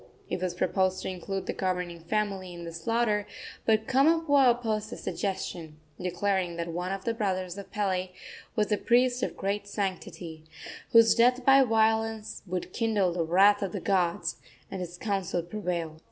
It was proposed to include the governing family in the slaughter, but Kamapuaa opposed the suggestion, declaring that one of the brothers of Pele was a priest of great sanctity, whose death by violence would kindle the wrath of the gods; and his counsel prevailed.